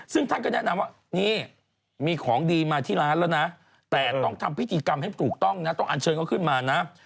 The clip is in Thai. ซึ่งท่านก็แนะนำว่านี่มีของดีมาที่ร้านแล้วนะแต่ต้องทำพิธีกรรมให้ถูกต้องนะต้องอันเชิญเขาขึ้นมานะ